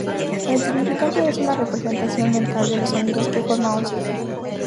El significante es una representación mental de los sonidos que forma un signo.